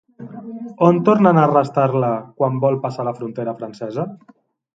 On tornen a arrestar-la quan vol passar la frontera francesa?